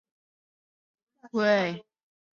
在美国获得图书馆学博士学位。